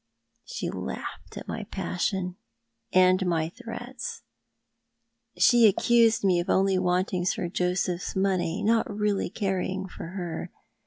She laughed at my passion and my threats. She accused mo of only wanting Sir Josephs money — not really caring for her.